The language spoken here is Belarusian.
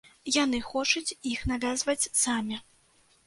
Яны хочуць іх навязваць самі.